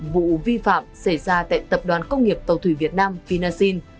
vụ vi phạm xảy ra tại tập đoàn công nghiệp tàu thủy việt nam vinasin